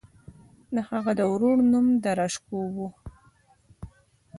د هغه د ورور نوم داراشکوه و.